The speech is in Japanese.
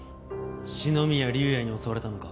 四ノ宮竜也に襲われたのか？